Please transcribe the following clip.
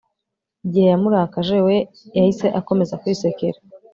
igihe yamurakaje, we yahise akomeza kwisekera